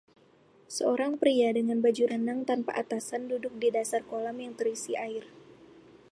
Seorang pria dengan baju renang tanpa atasan duduk di dasar kolam yang terisi air.